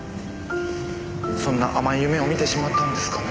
そんな甘い夢を見てしまったんですかね。